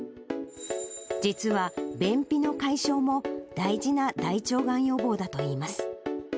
実は便秘の解消も大事な大腸がん予防だといいます。